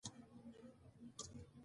ټیکساس خپل حق غواړي.